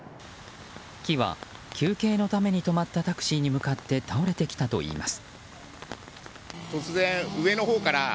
木は休憩のために止まったタクシーに向かって倒れてきたといいます。